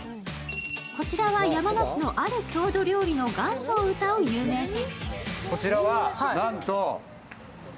こちらは山梨のある郷土料理の元祖をうたう有名店。